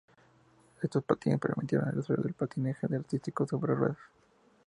Estos patines permitieron el desarrollo del patinaje artístico sobre ruedas.